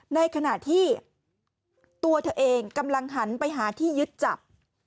ในขณะที่ตัวเธอเองกำลังหันไปหาที่ยึดจับ